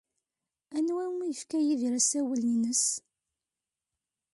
Anwa umi yefka Yidir asawal-nnes?